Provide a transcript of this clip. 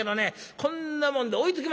こんなもんで追いつきまへんな。